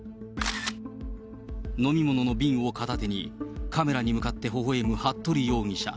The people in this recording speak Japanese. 飲み物の瓶を片手に、カメラに向かってほほ笑む服部容疑者。